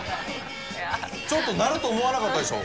ちょっとなると思わなかったでしょ。